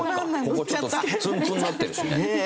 ここちょっとツンツンになってるしね。